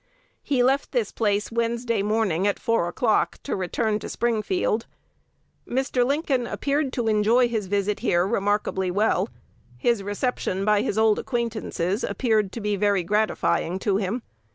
"He left this place Wednesday morning at four o'clock to return to Springfield.... Mr. Lincoln appeared to enjoy his visit here remarkably well. His reception by his old acquaintances appeared to be very gratifying to him.